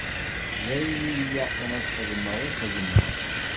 D ayen i ilaqen ad t-xedmeɣ, i xedmeɣ.